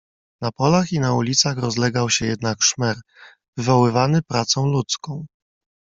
"Na polach i na ulicach rozlegał się jednaki szmer, wywoływany pracą ludzką."